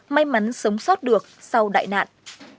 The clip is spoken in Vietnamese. may mắn sống sót được sau đại nạn